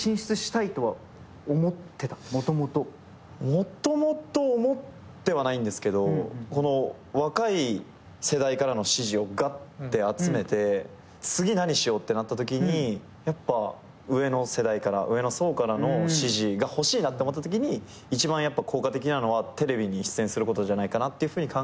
もともと思ってはないんですけどこの若い世代からの支持をガッて集めて次何しようってなったときにやっぱ上の世代から上の層からの支持が欲しいなって思ったときに一番効果的なのはテレビに出演することじゃないかって考えて。